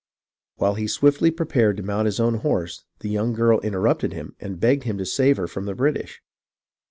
While he swiftly prepared to mount his own horse, the young girl interrupted him and begged of him to save her from the British.